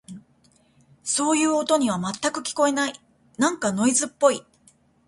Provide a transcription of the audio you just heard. そういう音には、全く聞こえない。なんかノイズっぽい。